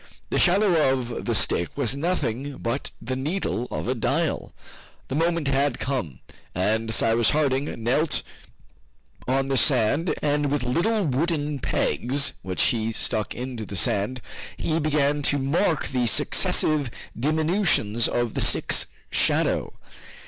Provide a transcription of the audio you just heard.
The shadow of the stick was nothing but the needle of a dial. The moment had come, and Cyrus Harding knelt on the sand, and with little wooden pegs, which he stuck into the sand, he began to mark the successive diminutions of the stick's shadow.